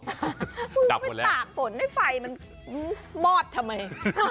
มึงก็ไปตากฝนให้ไฟมันมอดทำไม